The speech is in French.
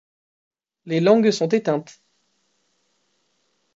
Les langues sont éteintes.